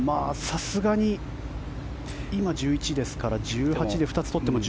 さすがに今、１１ですから１８で２つ取っても１３。